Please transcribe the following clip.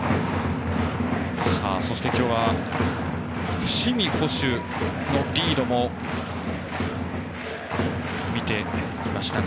そして今日は伏見捕手のリードも見てきました。